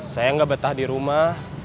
saya nggak betah di rumah